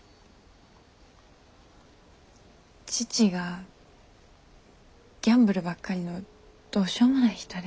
父がギャンブルばっかりのどうしようもない人で。